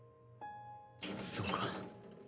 そうか。